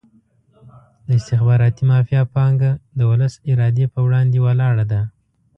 د استخباراتي مافیا پانګه د ولس ارادې په وړاندې ولاړه ده.